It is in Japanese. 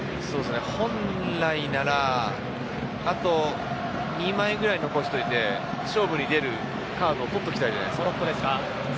本来なら、あと２枚ぐらい残しておいて勝負に出るカードを取っておきたい。